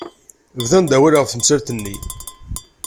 Bdan-d awal ɣef temsalt-nni.